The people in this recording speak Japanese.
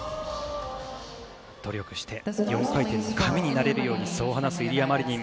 努力して４回転の神になれるようにそう話すイリア・マリニン。